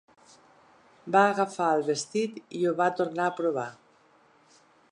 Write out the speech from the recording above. Va agafar el vestit i ho va tornar a provar.